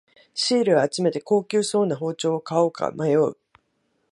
シールを集めて高級そうな包丁を買おうか迷う